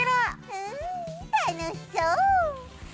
うんたのしそう！